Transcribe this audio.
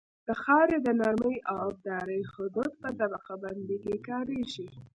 د خاورې د نرمۍ او ابدارۍ حدود په طبقه بندۍ کې کاریږي